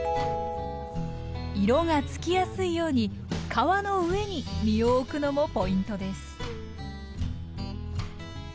色がつきやすいように皮の上に実を置くのもポイントです